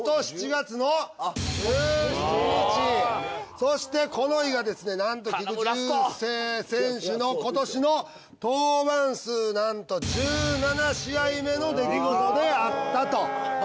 そしてこの日がですねなんと菊池雄星選手の今年の登板数なんと１７試合目の出来事であったと。